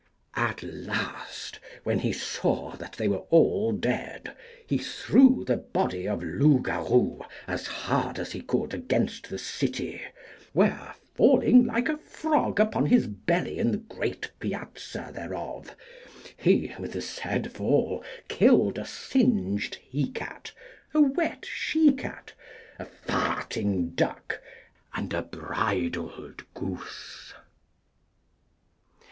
At last, when he saw that they were all dead, he threw the body of Loupgarou as hard as he could against the city, where falling like a frog upon his belly in the great Piazza thereof, he with the said fall killed a singed he cat, a wet she cat, a farting duck, and a bridled goose.